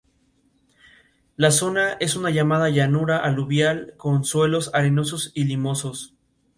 La zona es una llanura aluvial con suelos arenosos y limosos.